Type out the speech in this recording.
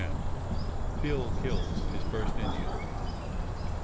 BILL KILLS HIS FIRST INDIAN.